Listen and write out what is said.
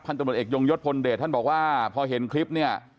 ตำรวจเอกยงยศพลเดชท่านบอกว่าพอเห็นคลิปเนี่ย